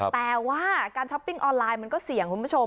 แต่ว่าการช้อปปิ้งออนไลน์มันก็เสี่ยงคุณผู้ชม